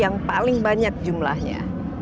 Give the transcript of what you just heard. yang paling banyak jumlahnya